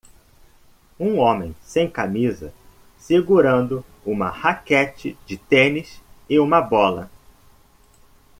Um homem sem camisa, segurando uma raquete de tênis e uma bola.